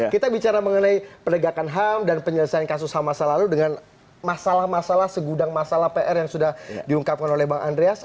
kita bicara mengenai penegakan ham dan penyelesaian kasus ham masa lalu dengan masalah masalah segudang masalah pr yang sudah diungkapkan oleh bang andreas